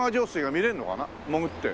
潜って。